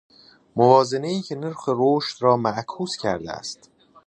موازنه ای که نرخ رشد را معکوس کرده است